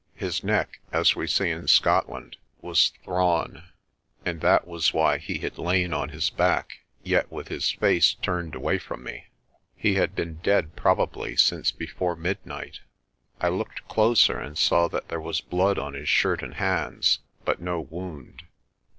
His neck, as we say in Scotland, was "thrawn," and that was why he had lain on LAST SIGHT OF LAPUTA 235 his back yet with his face turned away from me. He had been dead probably since before midnight. I looked closer and saw that there was blood on his shirt and hands, but no wound.